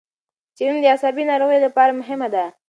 څېړنه د عصبي ناروغیو لپاره مهمه ده.